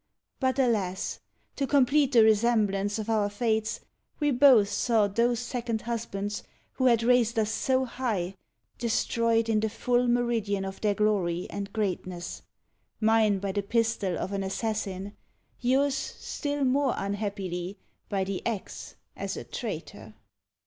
But, alas! to complete the resemblance of our fates, we both saw those second husbands, who had raised us so high, destroyed in the full meridian of their glory and greatness: mine by the pistol of an assassin; yours still more unhappily, by the axe, as a traitor.